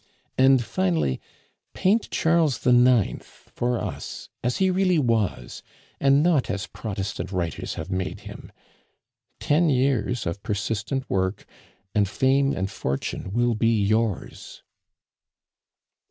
And finally, paint Charles IX. for us as he really was, and not as Protestant writers have made him. Ten years of persistent work, and fame and fortune will be yours."